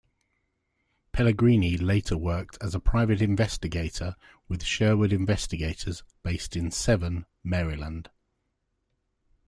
Pellegrini later worked as a private investigator with Sherwood Investigators based in Severn, Maryland.